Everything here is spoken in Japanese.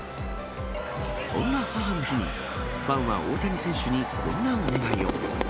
そんな母の日に、ファンは大谷選手にこんなお願いを。